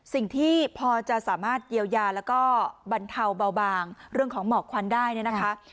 สิ่งที่พอจะสามารถเยียวยาแล้วก็บรรเทาเบาบางเรื่องของหมอกควันได้เนี่ยนะคะ